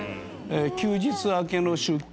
休日明けの出勤